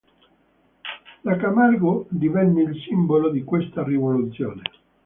La Camargo divenne il simbolo di questa rivoluzione.